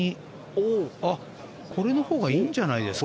これのほうがいいんじゃないですか？